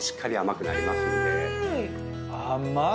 甘っ！